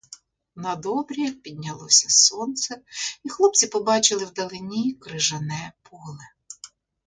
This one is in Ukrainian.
Над обрієм піднялося сонце, і хлопці побачили вдалині крижане поле.